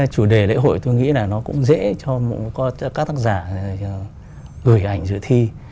chủ đề lễ hội tôi nghĩ là nó cũng dễ cho các tác giả gửi ảnh dự thi